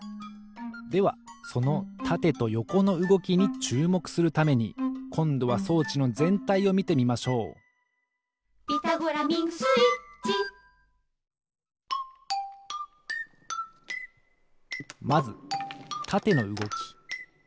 ではそのたてとよこのうごきにちゅうもくするためにこんどは装置のぜんたいをみてみましょう「ピタゴラミングスイッチ」まずたてのうごき。